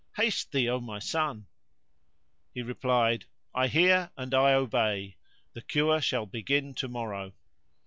Haste thee, O my son!" He replied,"I hear and I obey; the cure shall begin tomorrow."